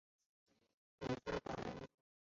李添保人。